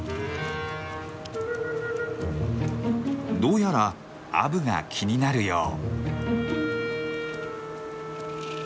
どうやらアブが気になるよう。